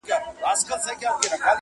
ګل پر څانګه غوړېدلی باغ سمسور سو!.